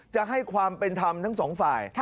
จะให้ความเป็นธรรมทั้งสองฝ่าย